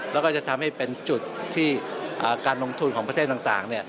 แล้วก็จะทำให้เป็นจุดที่การลงทุนของประเทศต่าง